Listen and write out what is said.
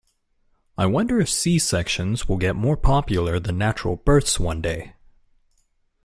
I wonder if C-sections will get more popular than natural births one day.